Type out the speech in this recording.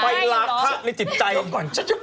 ไปลากทักในจิตใจก่อน